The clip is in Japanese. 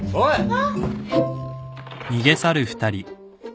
あっ！